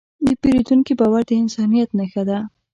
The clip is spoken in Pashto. د پیرودونکي باور د انسانیت نښه ده.